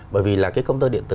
bởi vì là cái công tơ điện tử